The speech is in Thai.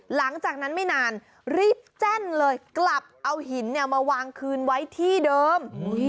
หลังจากนั้นไม่นานรีบแจ้นเลยกลับเอาหินมาวางคืนไว้ที่เดิม